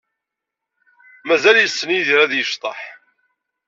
Mazal yessen Yidir ad yecḍeḥ?